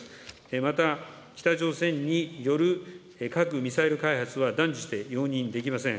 また北朝鮮による核・ミサイル開発は断じて容認できません。